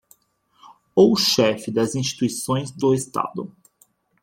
Ou chefe das instituições do Estado.